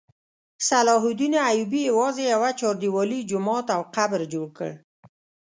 صلاح الدین ایوبي یوازې یوه چاردیوالي، جومات او قبر جوړ کړ.